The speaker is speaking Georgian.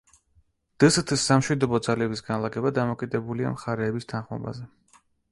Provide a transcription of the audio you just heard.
დსთ-ს სამშვიდობო ძალების განლაგება დამოკიდებულია მხარეების თანხმობაზე.